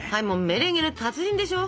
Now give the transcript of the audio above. メレンゲの達人でしょ？